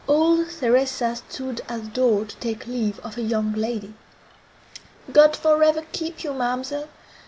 Old Theresa stood at the door to take leave of her young lady. "God for ever keep you, ma'amselle!"